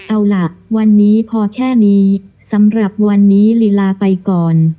เอาล่ะวันนี้พอแค่นี้สำหรับวันนี้ลีลาไปก่อน